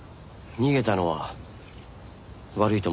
逃げたのは悪いと思ってます。